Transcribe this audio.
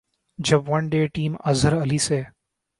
جب one day team Azhar Ali سے